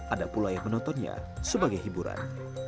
ada pula yang menontonnya sebagai hiburan